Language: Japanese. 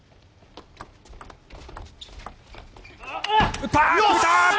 打った！